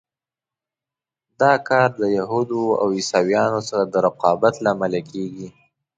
دا کار د یهودو او عیسویانو سره د رقابت له امله کېږي.